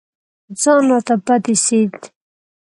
ځان راته بد اېسېد.